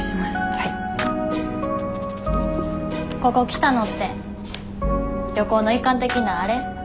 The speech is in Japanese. ここ来たのって旅行の一環的なあれ？